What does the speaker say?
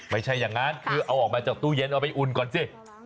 ไม่ใช่อย่างนั้นคือเอาออกมาจากตู้เย็นเอาไปอุ่นก่อนสิ